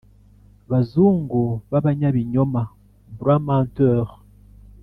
bazungu b’abanyabinyoma (blancs-menteurs)